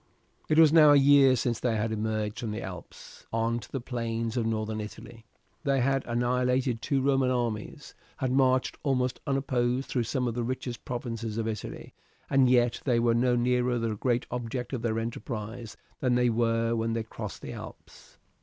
It was now a year since they had emerged from the Alps on to the plains of Northern Italy. They had annihilated two Roman armies, had marched almost unopposed through some of the richest provinces of Italy, and yet they were no nearer the great object of their enterprise than they were when they crossed the Alps.